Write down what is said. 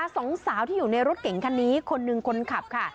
สองสาวที่อยู่ในรถเก่งคันนี้คนหนึ่งคนขับค่ะ